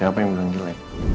siapa yang bilang jelek